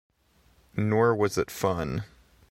Nor was it fun.